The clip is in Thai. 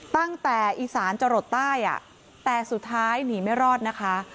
ตั้งแต่อีสานจะหลดใต้แต่สุดท้ายหนีไม่รอดนะคะ